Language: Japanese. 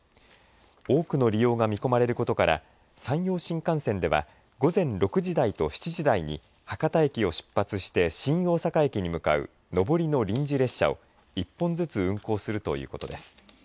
多くの利用が見込まれることから山陽新幹線では午前６時台と７時台に博多駅を出発して新大阪駅に向かう上りの臨時列車を１本ずつ運行するということです。